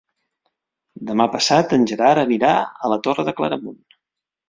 Demà passat en Gerard anirà a la Torre de Claramunt.